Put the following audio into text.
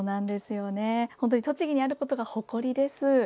栃木にあることが誇りです。